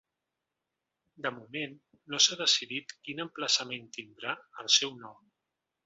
De moment no s’ha decidit quin emplaçament tindrà el seu nom.